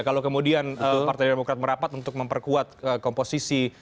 kalau kemudian partai demokrat merapat untuk memperkuat komposisi